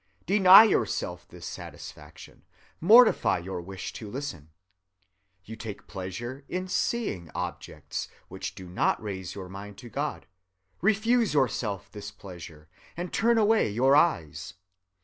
Deny yourself this satisfaction, mortify your wish to listen. You take pleasure in seeing objects which do not raise your mind to God: refuse yourself this pleasure, and turn away your eyes.